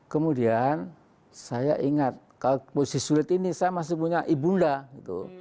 kemudian saya ingat kalau posisi sulit ini saya masih punya ibunda gitu